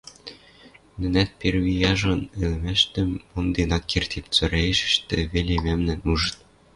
Нӹнӓт перви яжон ӹлӹмӹштӹм монден ак кердеп, цораэшӹштӹ веле мӓмнӓм ужыт.